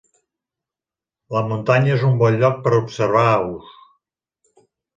La muntanya és un bon lloc per observar aus.